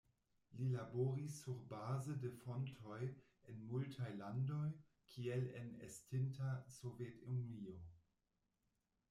Li laboris surbaze de fontoj en multaj landoj, kiel en estinta Sovetunio.